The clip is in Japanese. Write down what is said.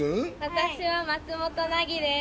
私は松本七凪です